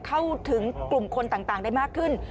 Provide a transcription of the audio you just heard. เข้าถึงกลุ่มคนต่างได้มากขึ้น